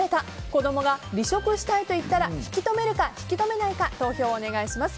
子供が離職したいと言ったら引き止めるか、引き止めないか投票をお願いします。